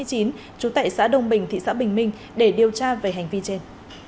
trú tại xã đông bình thị xã bình minh để điều tra về hành vi trên